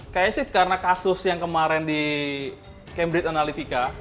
kayaknya sih karena kasus yang kemarin di cambrid analytica